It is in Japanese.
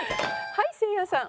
はいせいやさん。